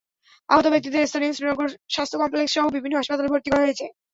আহত ব্যক্তিদের স্থানীয় শ্রীনগর স্বাস্থ্য কমপ্লেক্সসহ বিভিন্ন হাসপাতালে ভর্তি করা হয়েছে।